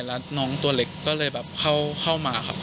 แล้วน้องตัวเหล็กเข้ามา